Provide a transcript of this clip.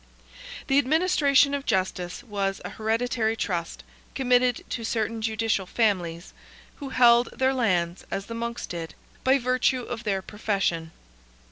The administration of justice was an hereditary trust, committed to certain judicial families, who held their lands, as the Monks did, by virtue of their profession.